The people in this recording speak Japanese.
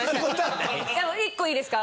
でも１個いいですか？